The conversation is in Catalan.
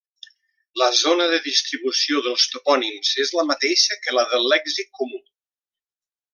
La zona de distribució dels topònims és la mateixa que la del lèxic comú.